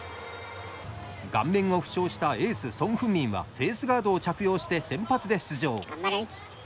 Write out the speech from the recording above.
顔面を負傷したエースソン・フンミンはフェースガードを着用して先発で出場。